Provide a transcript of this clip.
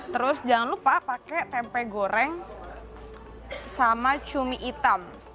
terus jangan lupa pakai tempe goreng sama cumi hitam